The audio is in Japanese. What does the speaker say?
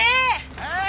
えっ？